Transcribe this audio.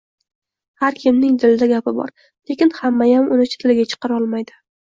Har kimning dilida gapi bor, lekin hammayam uni tiliga chiqara olmaydi.